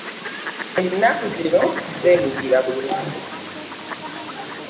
Ennaku zino seewulira bulungi.